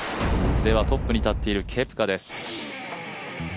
トップに立っているケプカです。